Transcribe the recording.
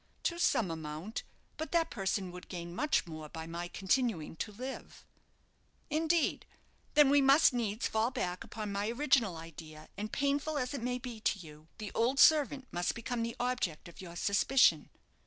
"To some amount; but that person would gain much more by my continuing to live." "Indeed; then we must needs fall back upon my original idea and painful as it may be to you, the old servant must become the object of your suspicion."